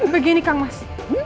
begini kang mas